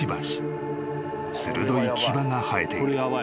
［鋭い牙が生えている］